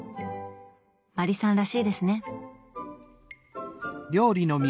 麻里さんらしいですね。